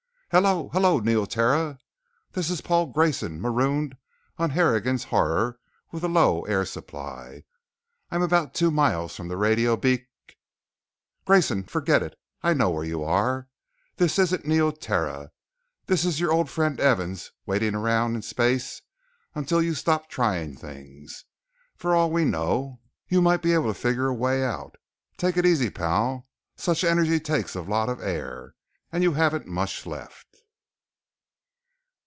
"Hello! Hello Neoterra. This is Paul Grayson marooned on Harrigan's Horror with a low air supply. I'm about two miles from the radio beac " "Grayson! Forget it. I know where you are. This isn't Neoterra. This is your old friend Evans waiting around in space until you stop trying things. For all we know, you might be able to figure a way out. Take it easy, pal. Such energy takes a lot of air and you haven't much left...."